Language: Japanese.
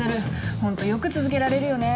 本当よく続けられるよね。